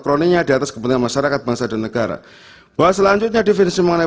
kroninya diatas kepentingan masyarakat bangsa dan negara bahwa selanjutnya definisi mengenai